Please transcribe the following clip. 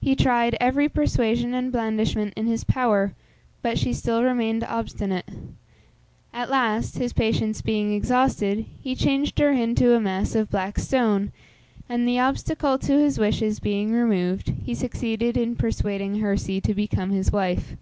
He tried every persuasion and blandishment in his power, but she still remained obstinate. At last, his patience being exhausted, he changed her into a mass of black stone, and, the obstacle to his wishes being removed, he succeeded in persuading Herse to become his wife.